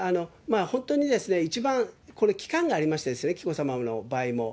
本当に一番、これ期間がありまして、紀子さまの場合も。